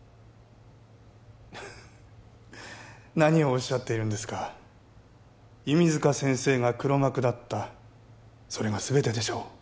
何をおっしゃっているんですか弓塚先生が黒幕だったそれが全てでしょう